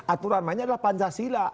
aturan mainnya adalah pancasila